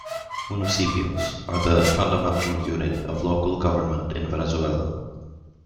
"Municipios" are the fundamental unit of local government in Venezuela.